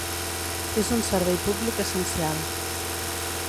És un servei públic essencial.